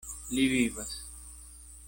Li vivas!